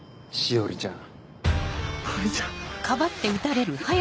葵ちゃん。